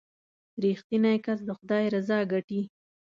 • رښتینی کس د خدای رضا ګټي.